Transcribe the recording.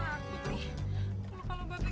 kamu lebih sayang sama budaya ini